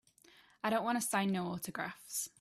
I don't wanta sign no autographs.